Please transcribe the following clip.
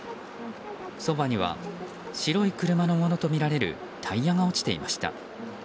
そばには白い車のものとみられるタイヤが落ちていました。